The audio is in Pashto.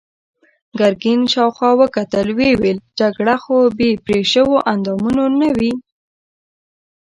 ګرګين شاوخوا وکتل، ويې ويل: جګړه خو بې پرې شويوو اندامونو نه وي.